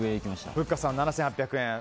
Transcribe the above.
ふっかさん７８００円。